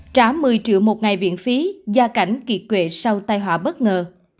trá một mươi triệu một ngày viện phí gia cảnh kỳ quệ sau tai hỏa bất ngờ